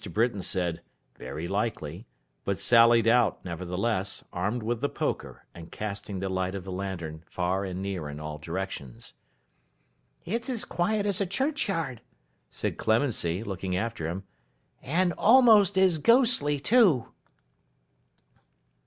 Britain said 'very likely;' but sallied out, nevertheless, armed with the poker, and casting the light of the lantern far and near in all directions. 'It's as quiet as a churchyard,' said Clemency, looking after him; 'and almost as ghostly too!